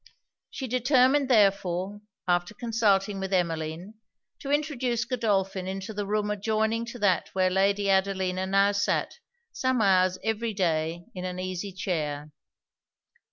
She determined, therefore, after consulting with Emmeline, to introduce Godolphin into the room adjoining to that where Lady Adelina now sat some hours every day in an easy chair.